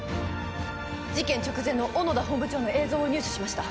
事件直前の小野田本部長の映像を入手しました。